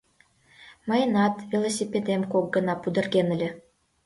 Мыйынат велосипедем кок гана пудырген ыле.